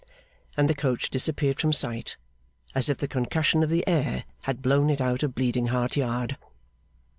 and the coach disappeared from sight, as if the concussion of the air had blown it out of Bleeding Heart Yard.